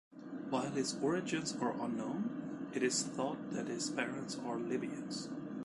While his origins are unknown, it is thought that his parents were Libyans.